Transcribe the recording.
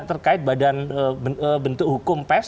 terkait badan bentuk hukum pes